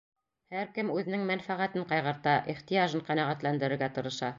Һәр кем үҙенең мәнфәғәтен ҡайғырта, ихтыяжын ҡәнәғәтләндерергә тырыша.